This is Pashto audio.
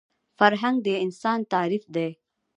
فرهنګ د انسان تعریف دی